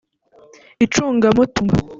icungamutungo